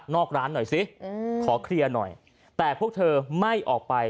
ร้านหน่อยสิขอเคลียร์หน่อยแต่พวกเธอไม่ออกไป